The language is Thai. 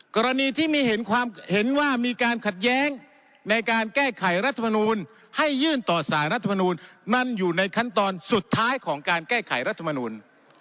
กรณีที่มีเห็นความเห็นว่ามีการขัดแย้งในการแก้ไขรัฐมนูลให้ยื่นต่อสารรัฐมนูลมันอยู่ในขั้นตอนสุดท้ายของการแก้ไขรัฐมนูล